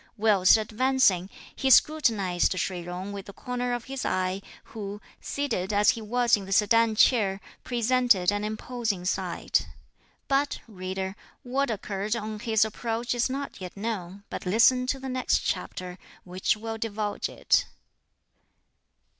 Whilst advancing, he scrutinised Shih Jung with the corner of his eye, who, seated as he was in the sedan chair, presented an imposing sight. But, reader, what occurred on his approach is not yet known, but listen to the next chapter, which will divulge it.